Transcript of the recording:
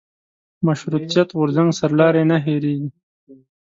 مشروطیت غورځنګ سرلاري نه هېرېږي.